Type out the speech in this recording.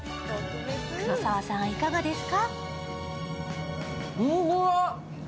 黒沢さん、いかがですか？